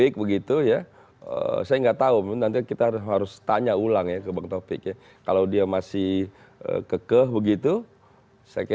kami akan kembali